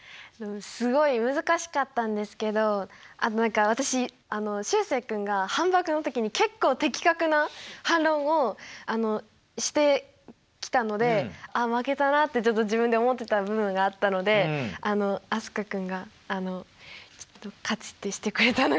すごい難しかったんですけどあと何か私しゅうせい君が反ばくの時に結構的確な反論をしてきたので「あ負けたな」って自分で思ってた部分があったので飛鳥君が勝ちってしてくれたのがちょっとうれしかったです。